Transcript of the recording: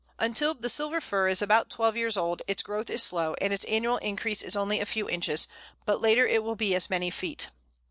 Until the Silver Fir is about twelve years old its growth is slow, and its annual increase is only a few inches, but later it will be as many feet.